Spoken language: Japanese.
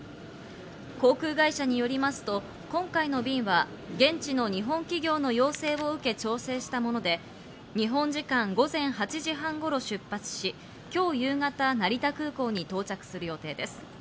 航空会社によりますと、今回の便は現地の日本企業の要請を受け調整したもので、日本時間の午前８時半頃出発し、今日夕方、成田空港に到着する予定です。